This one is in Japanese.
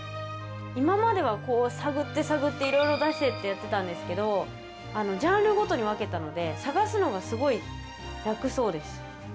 今までは探って探って色々出してってやってたんですけどジャンルごとに分けたので探すのがすごい楽そうです